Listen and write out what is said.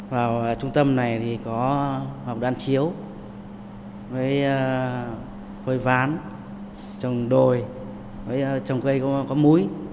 vào trung tâm này có hồng đan chiếu hồi ván trồng đồi trồng cây có múi